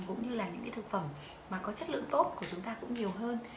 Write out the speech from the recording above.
cũng như là những cái thực phẩm mà có chất lượng tốt của chúng ta cũng nhiều hơn